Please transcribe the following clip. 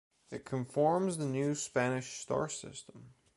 It conforms the new Spanish star-system.